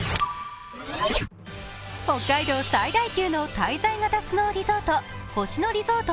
北海道最大級の滞在型スノーリゾート、星野リゾート